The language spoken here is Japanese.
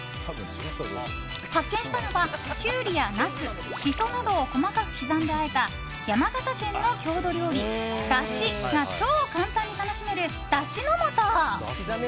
発見したのはキュウリやナス、シソなどを細かく刻んであえた山形県の郷土料理だしが超簡単に楽しめるだしの素。